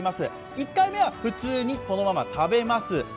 １回目は普通にこのまま食べます。